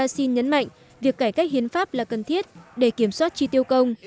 xin nhấn mạnh việc cải cách hiến pháp là cần thiết để kiểm soát chi tiêu công